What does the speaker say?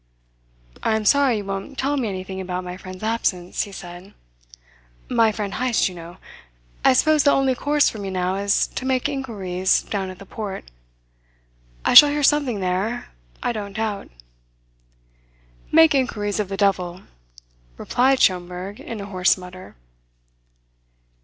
"I am sorry you won't tell me anything about my friend's absence," he said. "My friend Heyst, you know. I suppose the only course for me now is to make inquiries down at the port. I shall hear something there, I don't doubt." "Make inquiries of the devil!" replied Schomberg in a hoarse mutter.